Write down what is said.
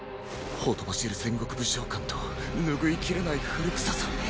ほとばしる戦国武将感と拭いきれない古臭さ。